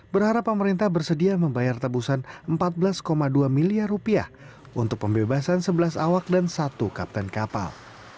berharap pemerintah bersedia membayar tebusan empat belas dua miliar rupiah untuk pembebasan sebelas awak dan satu kapten kapal